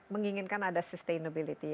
menginginkan ada sustainability